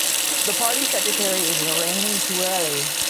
The party secretary is Loraini Tulele.